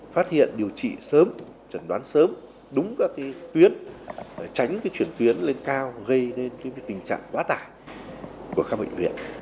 phát hiện điều trị sớm chuẩn đoán sớm đúng các tuyến tránh chuyển tuyến lên cao gây nên tình trạng quá tải của các bệnh viện